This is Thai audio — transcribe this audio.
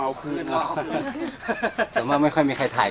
มันก็เป็นกลิ่งเดิมนี้คือไม่เพิ่มไม่ลด